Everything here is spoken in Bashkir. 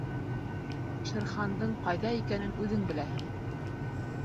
Шер Хандың ҡайҙа икәнен үҙең беләһең.